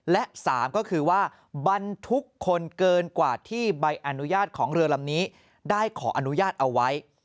และ๓ก็คือว่าบรรทุกคนเกินกว่าที่ใบอนุญาตของเรือลำนี้ได้ขออนุญาตเอาไว้